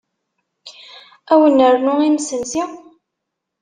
Ad wen-nernu imesnsi?